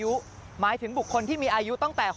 กลับวันนั้นไม่เอาหน่อย